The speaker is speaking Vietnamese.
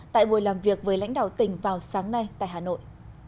tại buổi làm việc với lãnh đạo tỉnh vào sáng nay tại hà nội